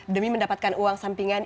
demi mendapatkan uang sampingan